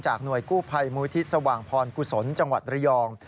จากหน่วยกู้ไพรมูธิสว่างพรกุศลจังหวัดระยอง